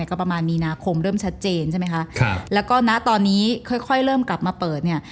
ก็ประมาณมีนาคมเริ่มชัดเจนใช่ไหมคะครับแล้วก็ณตอนนี้ค่อยค่อยเริ่มกลับมาเปิดเนี่ย